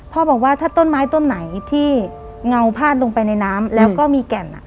บอกว่าถ้าต้นไม้ต้นไหนที่เงาพาดลงไปในน้ำแล้วก็มีแก่น